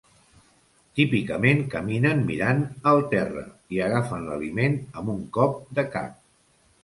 Típicament caminen mirant el terra i agafant l'aliment amb un cop de cap.